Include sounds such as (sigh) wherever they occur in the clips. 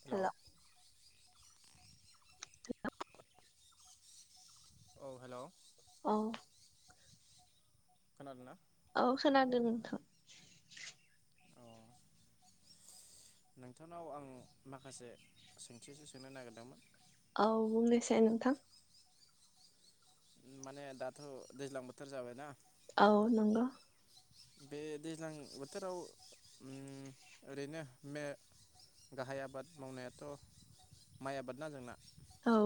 Hello हेल' (unintelligible) औ hello औ खोनादोंना? औ खोनादों। अ नोंथांनाव आं माखासे सोंथिसो सोंनो नागिरदोंमोन। औ बुंनायसाय नोंथां। माने दाथ' दैज्लां बोथोर जाबायना औ नंगौ। बे दैज्लां बोथोराव ओरैनो गाहाय आबाद मावनायाथ' माइ आबाद ना जोंना। औ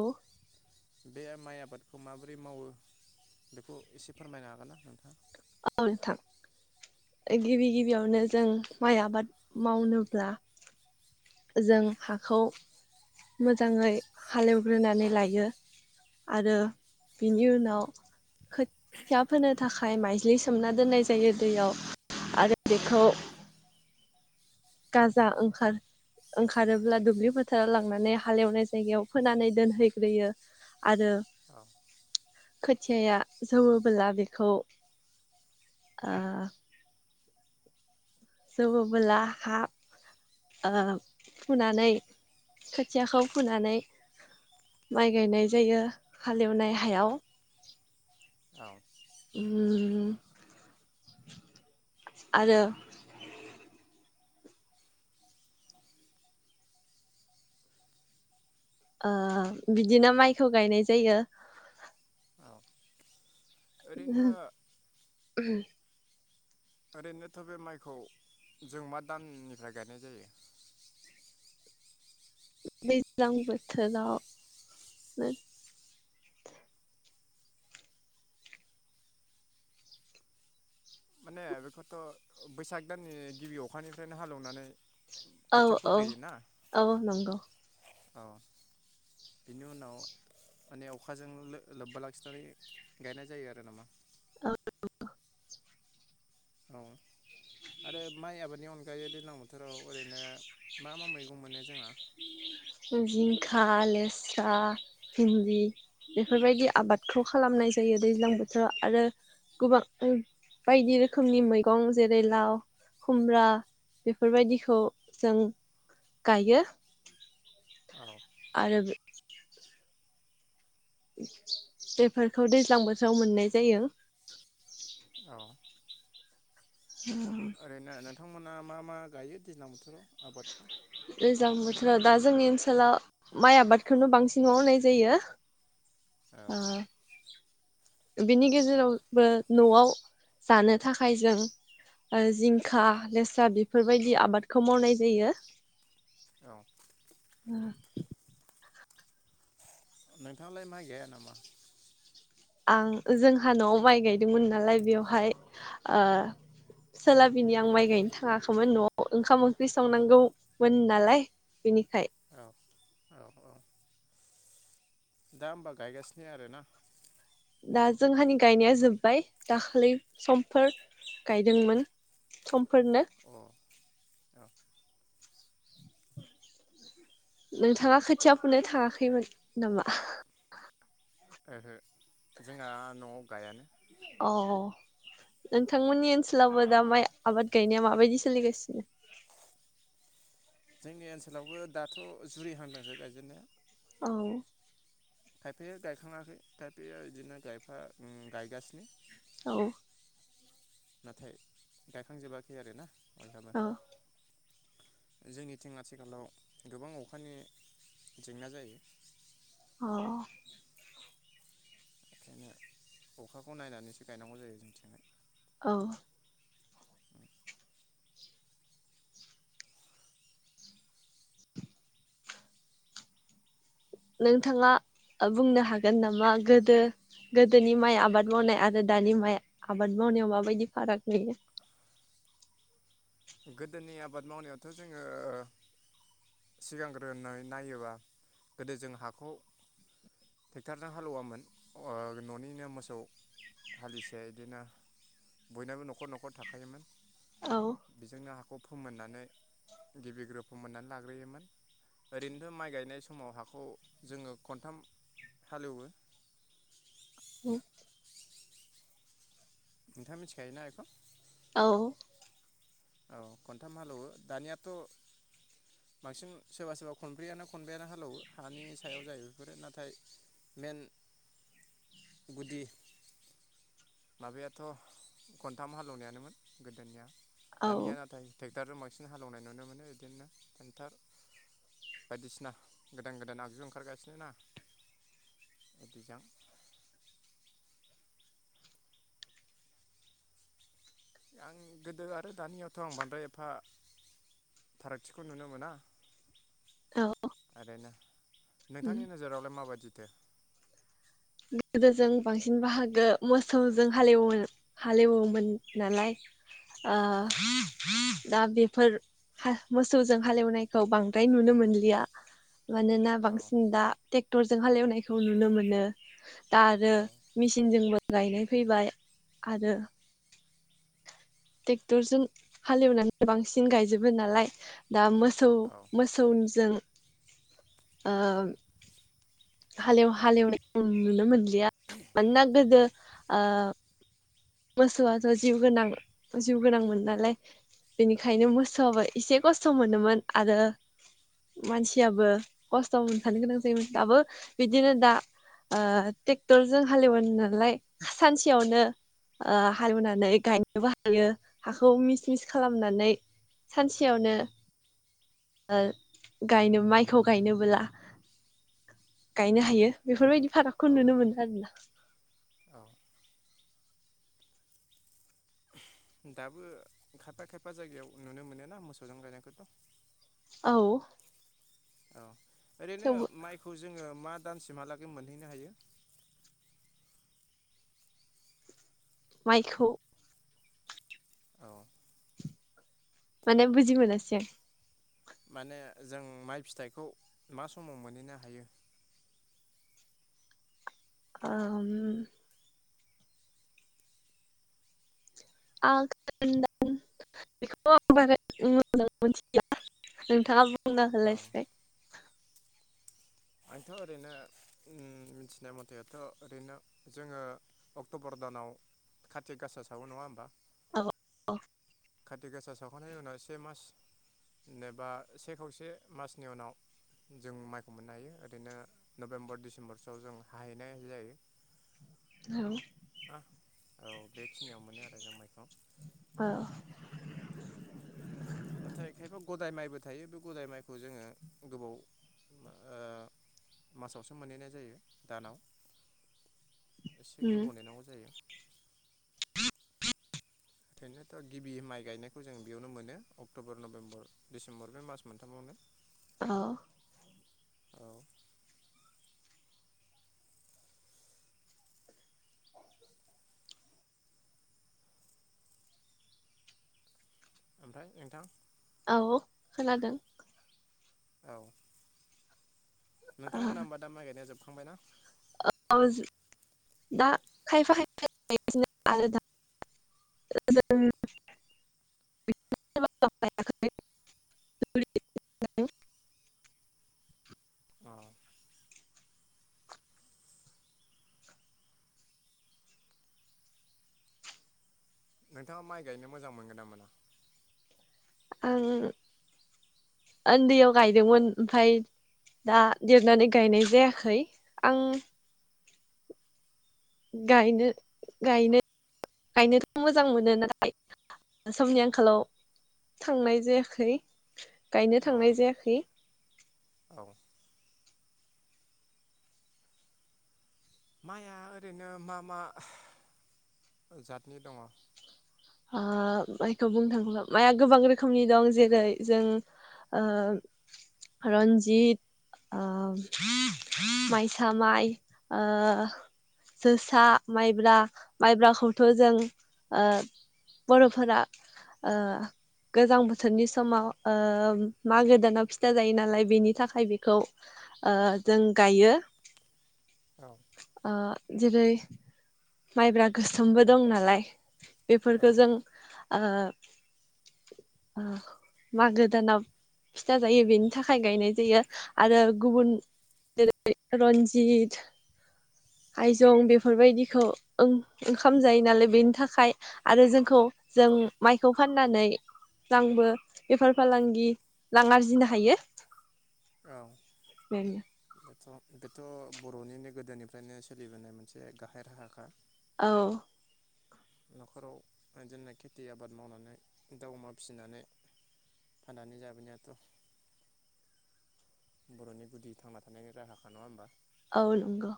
बे माइ आबादखौ माबोरै मावो बेखौ एसे फोरमायनो हागोन ना नोंथाङा? औ नोंथां गिबि गिबियावनो जों माइ आबाद मावनोब्ला जों हाखौ मोजाङै हालेवग्रोनानै लायो आरो बिनि उनाव खोथिया फोनो थाखाय माइज्लि सोमना दोननाय जायो दैयाव आरो बेखौ गाजा ओंखार ओंखारोब्ला दुब्लि फोथाराव लांनानै हालेवनाय जायगायाव फोनानै दोनहैग्रोयो आरो औ खोथियाया जौवोबोला बेखौ जौवोबोला हा फुनानै खोथियाखौ फुनानै माइ गायनाय जायो हालेवनाय हायाव औ (inaudible) आरो बिदिनो माइखौ गायनाय जायो। औ ओरैनो (unintelligible) ओरैनोथ' बे माइखौ जों मा दाननिफ्राय गायनाय जायो। दैज्लां बोथोराव माने बेखौथ' बैसाग दाननि गिबि अखानिफ्रायनो हालेवनानै औ खोथिया औ फोग्रोयोना औ नंगौ औ बिनि उनाव माने अखाजों लोब्बा लाखिनानै गायनाय जायो आरो नामा? औ नंगौ औ आरो माइ आबादनि अनगायै दैज्लां बोथोराव ओरैनो मा मा मैगं मोनो जोंङो जिंखा लेस्रा भिन्दि बेफोरबायदि आबादखौ खालामनाय जायो दैज्लां बोथोराव आरो गोबां बायदि रोखोमनि मैगं जेरै लाव खुमब्रा बेफोरबायदिखौ जों गायो औ आरो (inaudible) बेफोरखौ दैज्लां बोथोराव मोननाय जायो। औ ओरैनो अ नोंथांमोना मा मा गायो दैज्लां बोथोराव आबादखौ दैज्लां बोथोर आरो दा जोंनि ओनसोलाव माइ आबादखौनो बांसिननाय मावनाय जायो। औ अ बेनि गेजेरावबो न'आव जानो थाखाय जों ओ जिंखा लेसा बेफोरबायदि आबादखौ मावनाय जायो। औ उम नोंथाङांलाय माइ गाया नामा? आं जोंहा न'आव माइ गायदोंमोन नालाय बेवहाय ओ सोलाबिनि आं माइ गायनो थाङाखैमोन न'आव ओंखाम ओंख्रि संनांगौमोन नालाय बेनिखाय औ औ औ दा होमबा गायगासिनो आरोना दा जोंहानि गायनाया जोब्बाय दाखालि समफोर गायदोंमोन समफोरनो अ औ नोंथाङा खोथिया फुनो थाङाखैमोन नामा? ओहो जोंहा न'आव गायानो। अ नोंथांमोननि ओनसोलावबो दा माइ आबाद गायनाया माबायदि सोलिगासिनो? जोंनि ओनसोलावबो दाथ' जुरि हान्दांसो गायजेनन्नाया औ खायफाया गायखाङाखै खायफाया बिदिनो गायफा गायगासिनो औ नाथाय गायखांजोबाखै आरो ना (unintelligible) बयनाबो औ जोंनिथिं आथिखालाव गोबां अखानि जेंना जायो। औ बेंखायनो अखाखौ नायनानैसो गायनांगौ जायो जोंथिंजाय औ (inaudible) नोंथाङा बुंनो हागोन नामा गोदो गोदोनि माइ आबाद मावनाय आरो दानि माइ आबाद मावनायाव माबायदि फाराग नुयो। गोदोनि आबाद मावनायावथ' जोङो सिगांग्रोनानै नायोबा गोदो जों हाखौ ट्रेक्टरजों हालेववामोन न'निनो मोसौ हालिसे इदिनो बयनाबो न'खर न'खर थाखायोमोन। औ बेजोंनो हाखौ फोमोननानै गिबि ग्रोब फोमोननानै लाग्रोयोमोन ओरैनोथ' माइ गायनाय समाव हाखौ जोङो खनथाम हालेवो औ नोंथाङा मिथिखायो ना एखो? औ औ खनथाम हालेवो दानियाथ' बांसिन सोरबा सोरबा खनब्रैयानो खनबायानो हालावो हानि सायाव जायो बेफोरो ना नाथाय मेन गुदि माबायाथ' खनथाम हालेवनायानोमोन गोदोनिया दानिया औ नाथाय टेग ट्रेक्टर बांसिन हालेवनाय नुनो मोनो बिदिनो ट्रेेनटार बायदिसिना गोदान गोदान आगजु ओंखारगासिनो ना बिदिजों आं गोदो आरो दानियावथ' आं बांद्राय एफा फारागथिखौ नुनो मोना। औ ओरैनो नोंथांनि नोजोरावलाय माबायदि? दे गोदोजों बांसिन बाहागो मोसौजों हालेवोन हालेवोमोन नालाय ओ औ दा बे फोर हा मोसौजों हालेवनायखौ बांद्राय नुनो मोनलिया मानोना औ बांसिन दा टेग टरजों हालेवनायखौ नुनो मोनो। (inaudible) दा आरो औ मेसिनजोंबो गायनाय फैबाय आरो ट्रेक्टरजों हालेवनानै बांसिन गायजोबो नालाय दा मोस मोसौ औ मोसौ ओनजों ओ हालेव हालेवनाया नुनो मोनलि लिया मानोना गोदो ओ मोसौआथ' जिउ गोनां जिउ गोनांमोन नालाय बेनिखायनो मोसौआबो एसे खस्थ' मोनोमोन आरो मानसियाबो खस्थ' मोनफानो गोनां जायोमोन दाबो बिदिनो दा ओ ट्रेक्टरजों हालेवो नालाय सानसेयावनो ओ हालेवनानै गायनोबो हायो हाखौ मिस मिस खालामनानै सानसेयावनो ओ गायनो माइखौ गायनोबोब्ला गायनो हायो बेफोरबायदि औ फारागखौ नुनो मोनो आरो ना। औ दाबो खायफा खायफा जायगायाव नुनो मोनोना मोसौजों गायनायखौथ' औ औ ओरैनो थेवबो माइखौ जोङो मा दामसिमहालागै मोनहैनो हायो। माइखौ औ माने बुजिमोनासै आं? माने जों माइ फिथाइखौ मा समाव मोनहैनो हायो। ओम आघोन दान बेखौ आं‌ बारा मोजां मोनथिला नोंथाङा बुं बुंना औ होलाय एसे आंथ' ओरैनो ओम मिथिनाय मथे आथ' ओरैनो जोङो अक्ट'बर दानाव कार्ति गासा सावो नङा होमबा (inaudible) काति गासा सावखांनायनि उनाव से मास एबा से खावसे मासनि उनाव जों माइखौ मोननो हायो ओरैनो नभेम्बर डिसेम्बरसोआव जों हाहैनाय जायो औ आ औ बेखिनियाव मोनो आरो जों माइखौ औ नाथाय खायफा गदाय माइबो थायो बे गदाय माइखौ जोङो गोबाव ओ मासावसो मोनहैनाय जायो दानाव एसे उम गोबाव नेनांगौ जायो ओंखायनोथ' गिबि माइ गायनायखौ जों बेयावनो मोनो अक्ट'बर नभेम्बर डिसेम्बर बे मास मोनथामावनो औ औ ओमफाय नोंथां औ खोनादों औ ओ नोंथांमोना होमबा दा माय गायनाया जोब खांबाय ना (inaudible) अ नोंथाङा माइ गायनो मोजां मोनगोन ना मोना आं ओन्दैयाव गायदोंमोन ओमफाय दा देरनानै गायनाय जायाखै आं गायनो गायनो गायनोथ' मोजां मोनो नाथाइ समनि आंखालाव थांनाय जायाखै गायनो अ थांनाय जायाखै औ माइआ ओरैनो मा मा जातनि दङ आ माइखौ बुंनो थाङोब्ला माइआ गोबां रोखोमनि दं जेरै जों ओ रन्जित ओ माइसा माइ ओ जोसा माइब्रा माइब्राखौथ' जों ओ बर'फोरा ओ गोजां बोथोरनि समाव ओ मागो दानाव फिथा जायो नालाय बेनि थाखाय बेखौ ओ जों गायो औ ओ जेरै माइब्रा गोसोमबो दं नालाय फोरखो जों औ ओ ओ मागो दानाव फिथा जायो बेनि थाखाय गायनाय जायो आरो गुबुन जेरै रन्जित आयजं बेफोरबायदिखौ ओं ओंखाम जायो नालाय बेनि थाखाय आरो जोंखौ जों माइखौ फाननानै बांबो बेफार फालांगि रां आरजिनो हायो औ बेनो बेथ' बेथ' बर'निनो गोदोनिफ्रायनो सोलिबोनाय मोनसे गाहाय राहाखा औ न'खराव इदिनो खेथि आबाद मावनानै दाउ अमा फिसिनानै फाननानै जाबोनायाथ' बर'नि गुदि थांना थानायनि राहाखा नङा होमबा औ नंगौ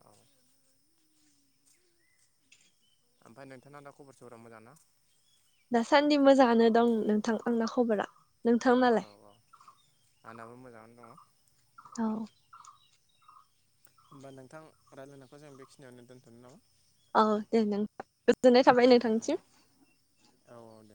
औ ओमफाय नोंथाङा दा खबर सबरा मोजां ना दासान्दि मोजाङानो दं नोंथां आंना खबरा नोंथांनालाय औ औ आंनाबो मोजाङानो दङ औ होमबा नोंथां रायज्लायनायखौ जों बेखिनियावनो दोन्थ'नो नामा औ दे नों गोजोननाय थाबाय औ दे नोंथांसिम औ औ दे